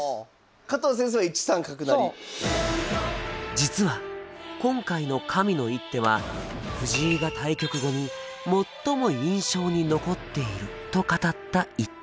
実は今回の神の一手は藤井が対局後に最も印象に残っていると語った一手。